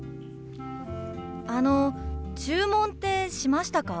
あの注文ってしましたか？